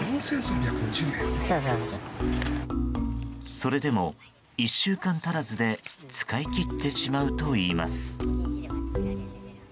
それでも１週間足らずで使い切ってしまうといいます。